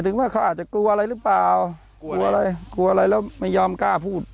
ถึงว่าเขาอาจจะกลัวอะไรหรือเปล่ากลัวอะไรกลัวอะไรแล้วไม่ยอมกล้าพูด